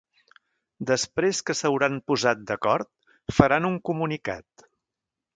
Després que s'hauran posat d'acord, faran un comunicat.